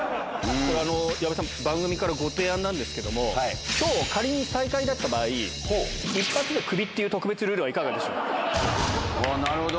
矢部さん、番組からご提案なんですけども、きょう、仮に最下位だった場合、一発でクビっていう特別ルールはいかがであー、なるほど。